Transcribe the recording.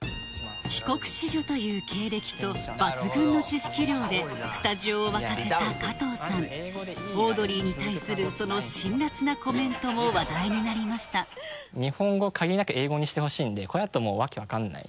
帰国子女という経歴と抜群の知識量でスタジオを沸かせた加藤さんオードリーに対するその辛らつなコメントも話題になりました日本語を限りなく英語にしてほしいんでこれだともう訳分からない。